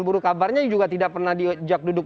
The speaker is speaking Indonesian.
burukabarnya juga tidak pernah diujak